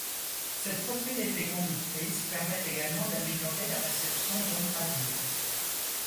Cette propriété conductrice permet également d'améliorer la réception d'ondes radio.